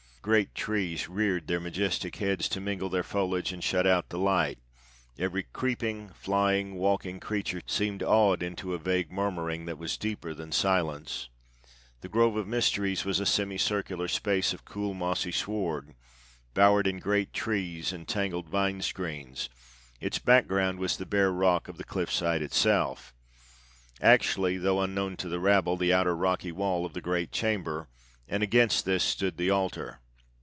Great trees reared their majestic heads to mingle their foliage and shut out the light; every creeping, flying, walking creature seemed awed into a vague murmuring that was deeper than silence. The Grove of Mysteries was a semicircular space of cool, mossy sward, bowered in great trees and tangled vine screens; its background was the bare rock of the cliffside itself actually, though unknown to the rabble, the outer rocky wall of the great chamber and against this stood the altar.